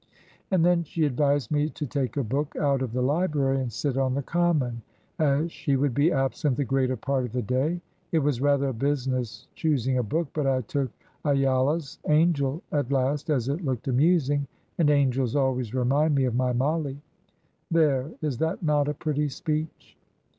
And then she advised me to take a book out of the library and sit on the common, as she would be absent the greater part of the day. It was rather a business choosing a book, but I took 'Ayala's Angel' at last, as it looked amusing, and angels always remind me of my Mollie. There, is that not a pretty speech?